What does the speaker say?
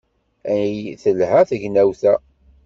Ay telha tegnawt-a!